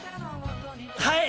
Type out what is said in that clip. はい！